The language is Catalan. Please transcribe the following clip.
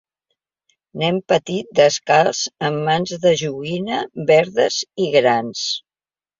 Nen petit descalç amb mans de joguina verdes i grans.